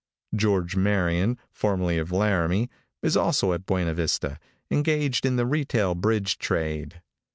George Marion, formerly of Laramie, is also at Buena Vista, engaged in the retail bridge trade.